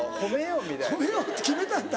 褒めようって決めたんだ。